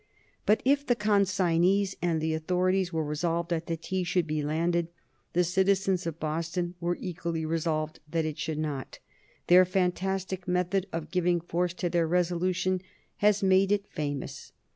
But if the consignees and the authorities were resolved that the tea should be landed, the citizens of Boston were equally resolved that it should not. Their fantastic method of giving force to their resolution has made it famous.